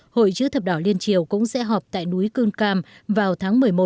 hội chữ thập đỏ liên triều cũng sẽ họp tại núi cương cam vào tháng một mươi một